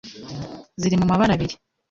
ziri mu mabara abiri,